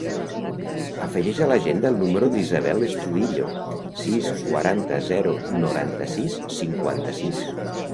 Afegeix a l'agenda el número de l'Isabel Estudillo: sis, quaranta, zero, noranta-sis, cinquanta-sis.